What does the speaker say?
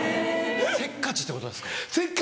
せっかちってことですか？